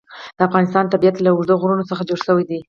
د افغانستان طبیعت له اوږده غرونه څخه جوړ شوی دی.